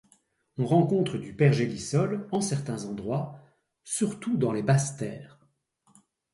On rencontre du pergélisol en certains endroits, surtout dans les basses terres.